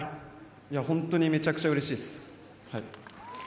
本当にめちゃくちゃうれしいです。